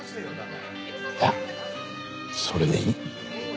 ああそれでいい。